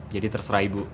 jadi terserah ibu